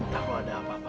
tak mau ada apa apa